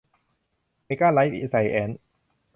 เมก้า ไลฟ์ไซแอ็นซ์